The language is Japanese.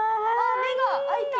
目が開いた。